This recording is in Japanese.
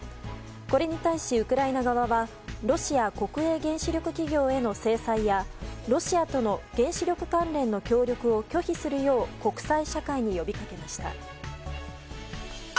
これに対し、ウクライナ側はロシア国営原子力企業への制裁やロシアとの原子力関連の協力を拒否するよう国際社会に呼びかけました。